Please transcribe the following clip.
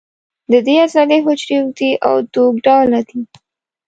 د دې عضلې حجرې اوږدې او دوک ډوله دي.